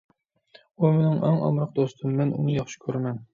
ئۇ مېنىڭ ئەڭ ئامراق دوستۇم. مەن ئۇنى ياخشى كۆرىمەن.